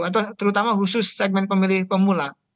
atau terutama khusus segmen pemilih pemula